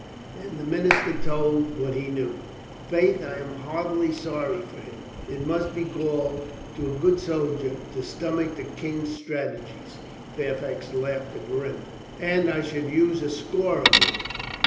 And the minister told what he knew. "Faith, I am heartily sorry for him. It must be gall to a good soldier to stomach the King's strate gies." Fairfax laughed grim. "And I could use a score of him.